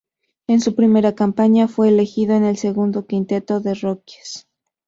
En su primera campaña fue elegido en el segundo quinteto de "rookies".